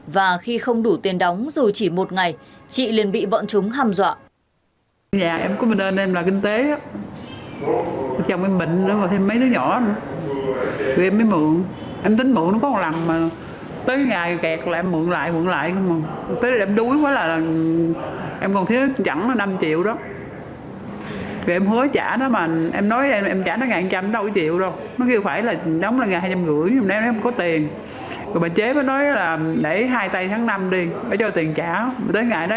và khi không đủ tiền đóng dù chỉ một ngày chị liền bị bọn chúng hàm dọa